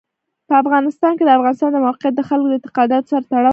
په افغانستان کې د افغانستان د موقعیت د خلکو د اعتقاداتو سره تړاو لري.